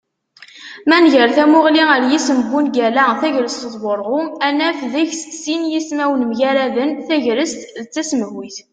Ma nger tamuγli ar yisem n wungal-a "tagrest d wurγu", ad naf deg-s sin yismawen mgaraden: tegrest d tasemhayt